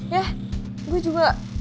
yah gue juga